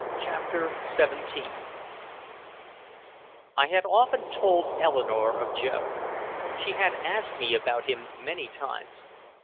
CHAPTER XVII I had often told Eleanore of Joe. She had asked me about him many times.